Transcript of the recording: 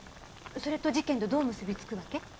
それと事件とどう結びつくわけ？